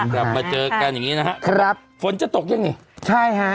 กลับมาเจอกันอย่างงี้นะฮะครับฝนจะตกยังนี่ใช่ฮะ